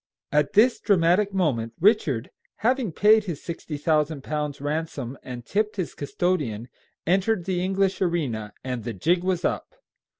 At this dramatic moment Richard, having paid his sixty thousand pounds ransom and tipped his custodian, entered the English arena, and the jig was up.